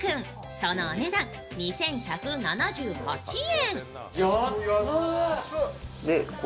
そのお値段２１７８円。